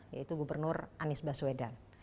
yaitu gubernur anies baswedan